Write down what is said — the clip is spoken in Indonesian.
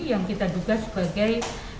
yang kita duga sebagai